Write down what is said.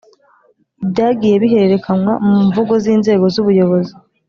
Ibyagiye bihererekanywa mu mvugo z inzego z ubuyobozi